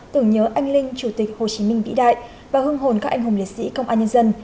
tưởng nhớ anh linh chủ tịch hồ chí minh vĩ đại và hương hồn các anh hùng liệt sĩ công an nhân dân